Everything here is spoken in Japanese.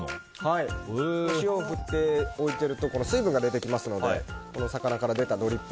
塩を振って置いておくと水分が出てきますので魚から出たドリップ